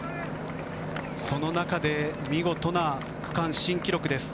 その中で見事な区間新記録です。